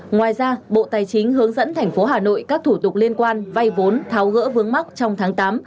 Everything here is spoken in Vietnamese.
ngoài ra bộ tài chính hướng dẫn thành phố hà nội các thủ tục liên quan vay vốn tháo gỡ vướng mắc trong tháng tám